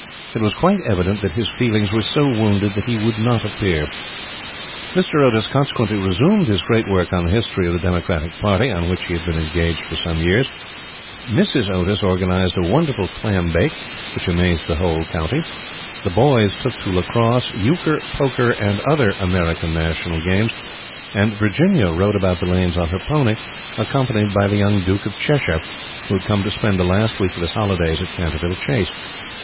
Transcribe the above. It was quite evident that his feelings were so wounded that he would not appear. Mr. Otis consequently resumed his great work on the history of the Democratic Party, on which he had been engaged for some years; Mrs. Otis organized a wonderful clam bake, which amazed the whole county; the boys took to lacrosse euchre, poker, and other American national games, and Virginia rode about the lanes on her pony, accompanied by the young Duke of Cheshire, who had come to spend the last week of his holidays at Canterville Chase.